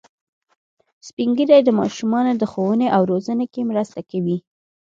سپین ږیری د ماشومانو د ښوونې او روزنې کې مرسته کوي